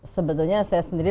sebetulnya saya sendiri